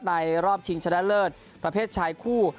รอบชิงชนะเลิศประเภทชายคู่